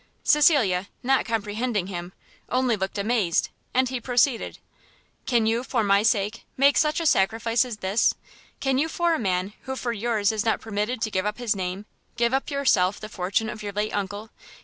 Cecilia, not comprehending him, only looked amazed, and he proceeded. "Can you, for my sake, make such a sacrifice as this? can you for a man who for yours is not permitted to give up his name, give up yourself the fortune of your late uncle?